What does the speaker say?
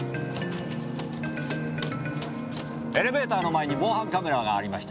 エレベーターの前に防犯カメラがありました。